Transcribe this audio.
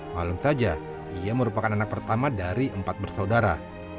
malam saja ia merupakan anak pertama dari empat bersaudara